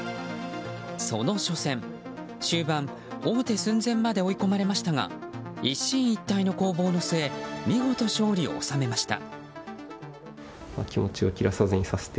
その初戦、終盤王手寸前まで追い込まれましたが一進一退の攻防の末見事勝利を収めました。